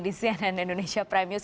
di cnn indonesia prime news